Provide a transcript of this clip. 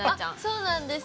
そうなんです。